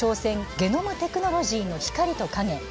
ゲノムテクノロジーの光と影」